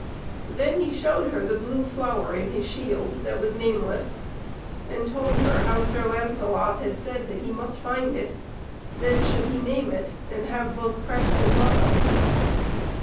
Then he showed her the Blue Flower in his shield that was nameless, and told her how Sir Lancelot had said that he must find it, then should he name it and have both crest and motto.